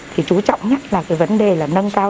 thì chú trọng nhất là cái vấn đề là nâng cao